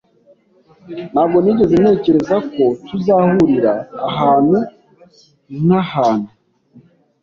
Ntabwo nigeze ntekereza ko tuzahurira ahantu nkahantu.